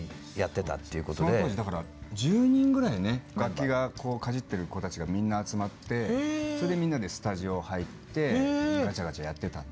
その当時１０人ぐらい楽器をかじってる子たちがみんな集まってそれでみんなでスタジオ入ってガチャガチャやってたんですよね。